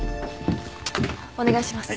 お願いします。